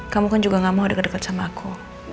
kamu kan juga gak mau deket deket sama aku